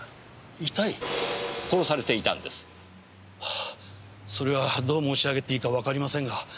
あそれはどう申し上げていいかわかりませんが。